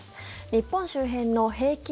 日本周辺の平均